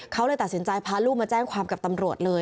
เขาเลยตัดสินใจพาลูกมาแจ้งความกับตำรวจเลย